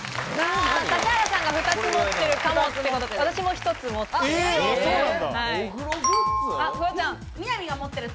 指原さんが２つ持ってるかもっていうことで私も１つ持ってる。